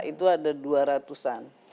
itu ada dua ratus an